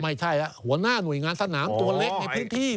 ไม่ใช่แล้วหัวหน้าหน่วยงานสนามตัวเล็กในพื้นที่